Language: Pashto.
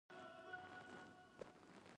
لمبه له باده سره مله په لوړ سرعت سره پورته شول.